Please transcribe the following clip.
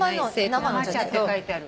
生茶って書いてある。